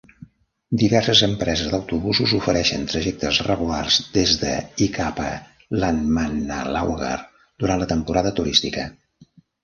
Diverses empreses d'autobusos ofereixen trajectes regulars des de i cap a Landmannalaugar durant la temporada turística.